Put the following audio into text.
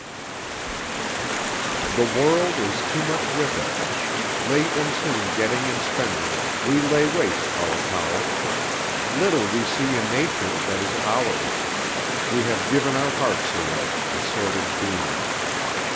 VII The World is too much with us; late and soon Getting and spending, we lay waste our powers; Little we see in nature that is ours; We have given our hearts away, a sordid boon.